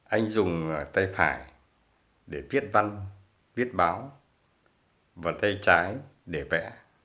anh dùng tay phải để viết văn viết báo và tay trái để vẽ